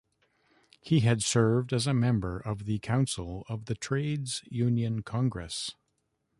He had served as a member of the council of the Trades Union Congress.